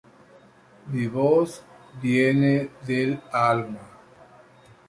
Silvera fue trasladado rápidamente al Hospital Fiorito, donde recuperó el conocimiento.